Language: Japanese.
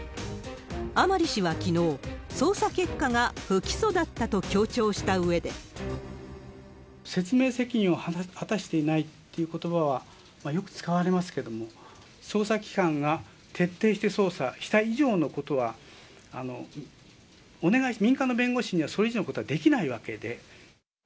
甘利氏はきのう、捜査結果が不起訴だったと強調したうえで。説明責任を果たしていないっていうことばはよく使われますけれども、捜査機関が徹底して捜査した以上のことは、民間の弁護士にはそれ以上のことはできないわけで。